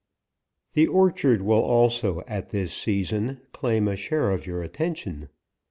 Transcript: THE ORCHARD will also at this season, claim a share of your attention.